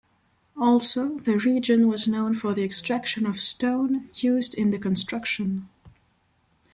Also, the region was known for the extraction of stone used in the construction.